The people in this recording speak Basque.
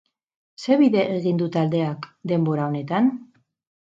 Zer bide egin du taldeak denbora honetan?